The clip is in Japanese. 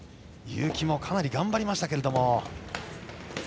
結城もかなり頑張りましたけれども。